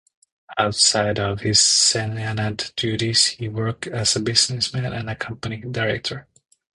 Outside of his Seanad duties, he works as a businessman and company director.